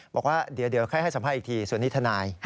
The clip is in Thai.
บอกว่าเดี๋ยวให้สัมภาษณ์อีกทีส่วนนี้ทนาย